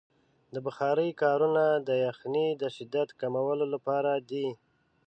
د بخارۍ کارونه د یخنۍ د شدت کمولو لپاره دی.